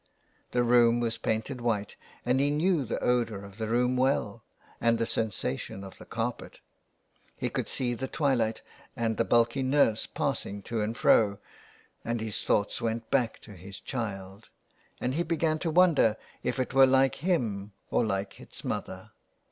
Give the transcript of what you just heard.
The room was painted white, and he knew the odour of tie room well, and the sensation of the carpet. He could see the twilight, and the bulky nurse passing to and fro ; and his thoughts went back to his child, and 333 THE WILD GOOSE. hebegan towonder if itwerelikehim or like its mother.